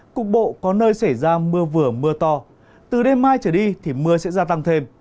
cục bộ có nơi xảy ra mưa vừa mưa to từ đêm mai trở đi thì mưa sẽ gia tăng thêm